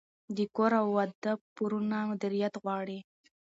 د کور او واده پورونه مدیریت غواړي.